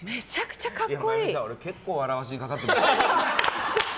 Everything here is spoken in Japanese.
結構、笑わせにかかってますよ。